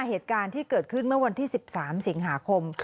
เหตุการณ์ที่เกิดขึ้นเมื่อวันที่๑๓สิงหาคม